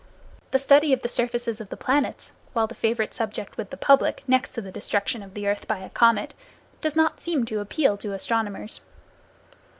The study of the surfaces of the planets, while the favorite subject with the public, next to the destruction of the earth by a comet, does not seem to appeal to astronomers.